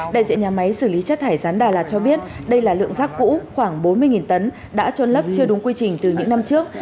đại diện nhà máy xử lý chất thải rán đà lạt cho biết đây là lượng rác cũ khoảng bốn mươi tấn đã trôn lấp chưa đúng quy trình từ những năm trước